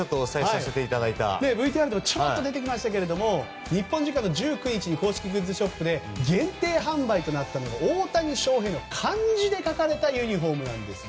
ＶＴＲでもちらっと出てきましたが日本時間の１９日に公式グッズショップで限定販売となったのが大谷翔平と漢字で書かれたユニホームなんです。